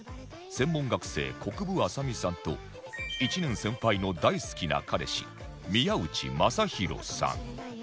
専門学生国分朝海さんと１年先輩の大好きな彼氏宮内雅寛さん